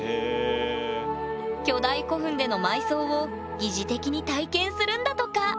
巨大古墳での埋葬を擬似的に体験するんだとか！